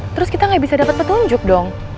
terus kita gak bisa dapet petunjuk dong